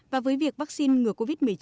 và với việc vaccine ngừa covid một mươi chín